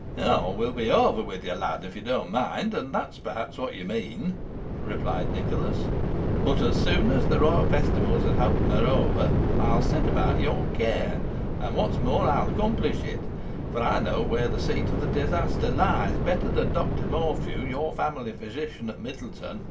"All will be over with you, lad, if you don't mind; and that's, perhaps, what you mean," replied Nicholas; "but as soon as the royal festivities at Hoghton are over, I'll set about your cure; and, what's more, I'll accomplish it for I know where the seat of the disease lies better than Dr. Morphew, your family physician at Middleton.